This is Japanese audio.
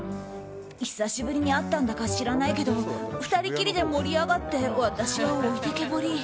久しぶりに会ったんだか知らないけど２人きりで盛り上がって私は置いてけぼり。